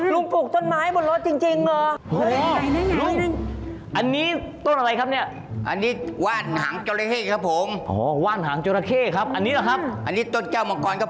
ลุงปลูกต้นไม้หมดรถจริงค่ะ